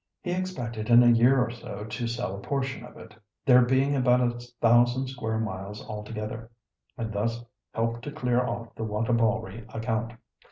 He expected in a year or so to sell a portion of it, there being about a thousand square miles altogether, and thus help to clear off the Wantabalree account.